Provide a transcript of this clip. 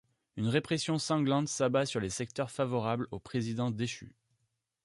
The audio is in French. Une répression sanglante s'abat sur les secteurs favorables au président déchu.